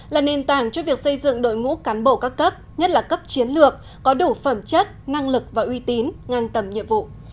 là nền tảng cho việc xây dựng đội ngũ cán bộ các cấp nhất là cấp chiến lược có đủ phẩm chất năng lực và uy tín ngang tầm nhiệm vụ